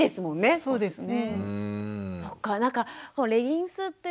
そうですね。